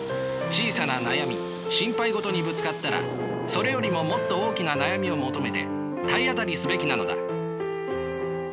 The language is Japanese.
小さな悩み心配事にぶつかったらそれよりももっと大きな悩みを求めて体当たりすべきなのだ。